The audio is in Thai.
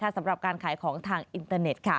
สำหรับการขายของทางอินเตอร์เน็ต